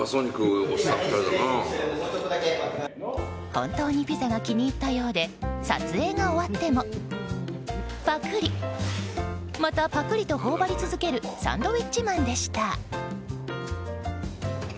本当にピザが気に入ったようで撮影が終わってもぱくり、またぱくりとほおばり続けるサンドウィッチマンでした。